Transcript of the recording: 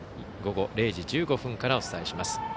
午後０時１５分からお伝えします。